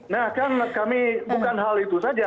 nah kan kami bukan hal itu saja